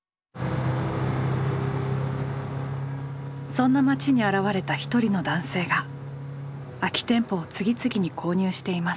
そんな街に現れたひとりの男性が空き店舗を次々に購入しています。